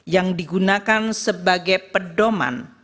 yang digunakan sebagai pedoman